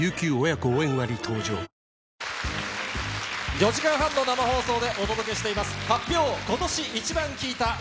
４時間半の生放送でお届けしています、発表！